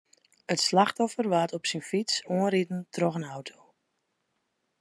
It slachtoffer waard op syn fyts oanriden troch in auto.